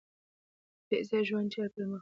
پیسې د ژوند چارې پر مخ وړي.